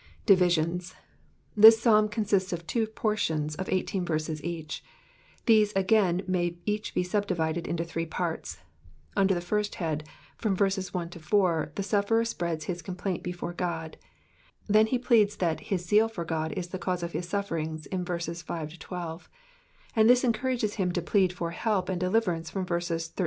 Divisions.— TAi5 Psalm consists of two portions of 18 verses each. These again may each be sub divided into three parts. Under the first head, from verses 1 — 4, the stifferer spreads his complaint before God; then he pleads that his zeal for God is the cause of his s^ifferings, in verses 5—12 : and this encauragoi him to plead for help and deliverance, from verses 13—18.